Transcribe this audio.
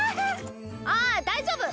ああ大丈夫